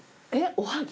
おはぎ。